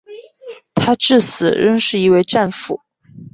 他至死仍是一位战俘。